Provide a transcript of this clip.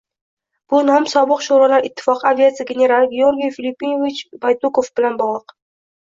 bu nom sobiq sho‘rolar ittifoqi aviatsiya generali Georgiy Fillipovich Baydukov bilan bog‘liq.